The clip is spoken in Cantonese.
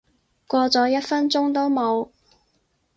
過咗一分鐘都冇